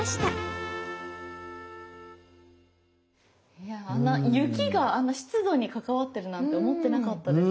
いや雪があんな湿度に関わってるなんて思ってなかったです。